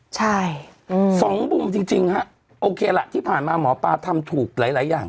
ใช่อืมสองมุมจริงจริงฮะโอเคล่ะที่ผ่านมาหมอปลาทำถูกหลายหลายอย่าง